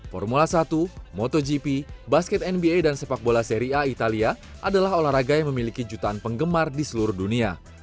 formula satu motogp basket nba dan sepak bola seri a italia adalah olahraga yang memiliki jutaan penggemar di seluruh dunia